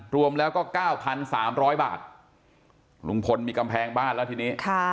รวมแล้วก็๙๓๐๐บาทลุงพลมีกำแพงบ้านแล้วทีนี้